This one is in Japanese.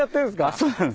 そうなんです。